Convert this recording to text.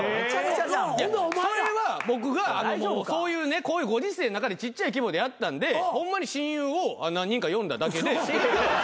それは僕がこういうご時世の中でちっちゃい規模でやったんで親友を何人か呼んだだけで。